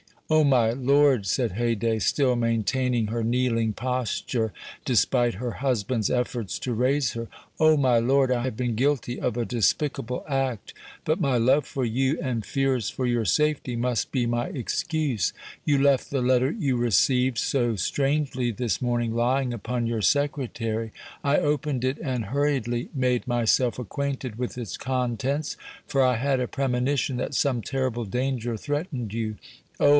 "Oh! my lord," said Haydée, still maintaining her kneeling posture despite her husband's efforts to raise her, "oh! my lord, I have been guilty of a despicable act, but my love for you and fears for your safety must be my excuse. You left the letter you received so strangely this morning lying upon your secretary. I opened it and hurriedly made myself acquainted with its contents, for I had a premonition that some terrible danger threatened you. Oh!